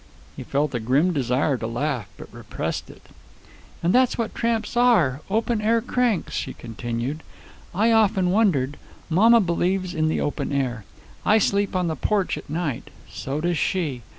He felt a grim desire to laugh, but repressed it. "And that's what tramps are open air cranks," she continued. "I often wondered. Mamma believes in the open air. I sleep on the porch at night. So does she.